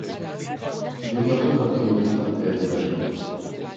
Il est bientôt nommé médecin-aide major.